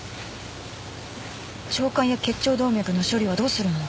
腸管や結腸動脈の処理はどうするの？